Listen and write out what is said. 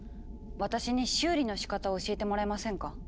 私に修理のしかたを教えてもらえませんか？